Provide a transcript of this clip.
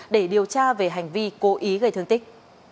để điều tra về hành vi cố ý gây thương tích